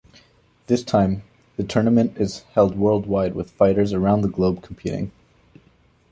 This time, the tournament is held worldwide with fighters around the globe competing.